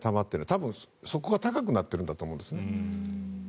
多分、側溝が高くなっていると思うんですね。